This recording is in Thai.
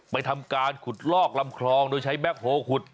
ทำการขุดลอกลำคลองโดยใช้แบ็คโฮลขุด